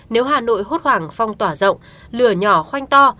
nếu hà nội hốt hoảng phong tỏa rộng lửa nhỏ khoanh to